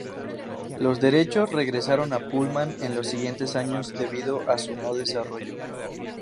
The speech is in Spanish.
Los derechos regresaron a Pullman en los siguientes años debido a su no desarrollo.